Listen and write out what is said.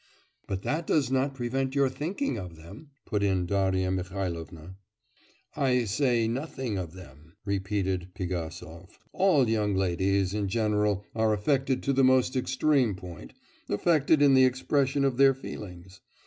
'But that does not prevent your thinking of them,' put in Darya Mihailovna. 'I say nothing of them,' repeated Pigasov. 'All young ladies, in general, are affected to the most extreme point affected in the expression of their feelings.